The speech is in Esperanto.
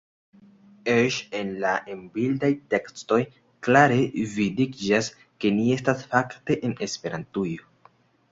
Eĉ en la en-bildaj tekstoj klare vidiĝas, ke ni estas fakte en Esperantujo.